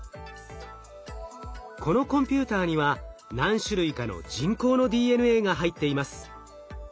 このコンピューターには何種類かの人工のＤＮＡが入っています。